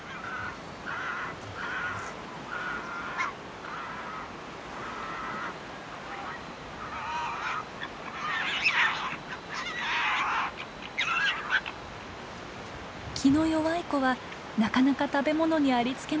気の弱い子はなかなか食べ物にありつけません。